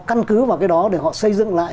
căn cứ vào cái đó để họ xây dựng lại